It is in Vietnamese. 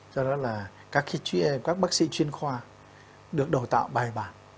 do đó là các bác sĩ chuyên khoa được đào tạo bài bản